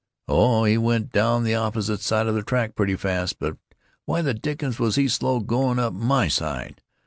"Oh, he went down the opposite side of the track pretty fast, but why the dickens was he so slow going up my side?